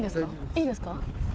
いいですか？